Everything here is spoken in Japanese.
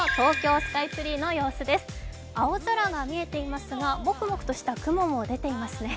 青空が見えていますが、もくもくとした雲も出ていますね。